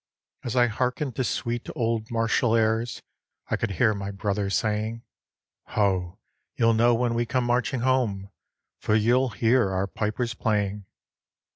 As I hearkened to sweet old martial airs I could hear my brother saying: "Ho! you'll know when we come marching home, For you'll hear our pipers playing."